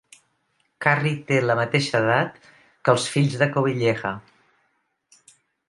Carrie té la mateixa edat que els fills de Covilleha.